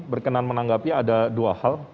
berkenan menanggapi ada dua hal